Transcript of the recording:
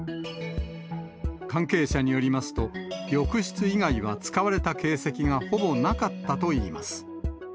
関係者によりますと、浴室以外は使われた形跡がほぼなかったといいます。